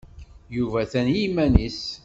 Yuba atan i yiman-nnes.